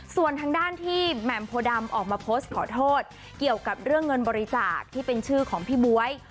ส่วนทางด้านที่แหม่มโพดำออกมาโพสต์ขอโทษเกี่ยวกับเรื่องเงินบริจาคที่เป็นชื่อของพี่บ๊วย